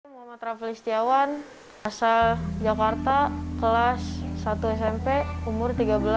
halo muhammad raffi listiawan asal jakarta kelas satu smp umur tiga belas